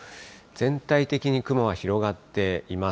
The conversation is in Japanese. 全体的に雲は広がっています。